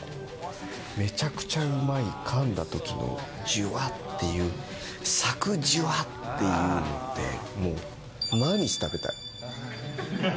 めちゃくちゃうまい、かんだときのじゅわっていう、さくじゅわっていう、もう毎日食べたい。